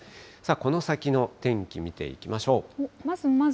さあ、この先の天気見ていきましょう。